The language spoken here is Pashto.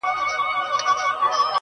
• اوس د چا پر پلونو پل نږدم بېرېږم.